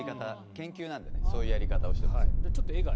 研究なのでそういうやり方をしています。